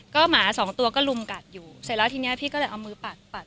ก็หมาสองตัวก็ลุมกัดอยู่เสร็จแล้วทีนี้พี่ก็เลยเอามือปัดปัด